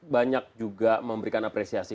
banyak juga memberikan apresiasi